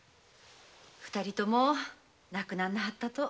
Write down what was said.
二人とも亡くなりはったと。